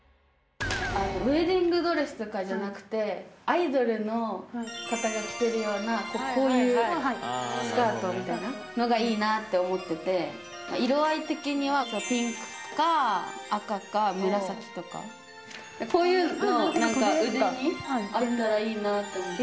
ウエディングドレスとかじゃなくてアイドルの方が着てるようなこういうスカートみたいなのがいいなって思っててこういうの何か腕にあったらいいなって思ってて。